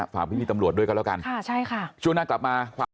ฝากพี่นี่ตำรวจด้วยกันแล้วกันชวนหน้ากลับมา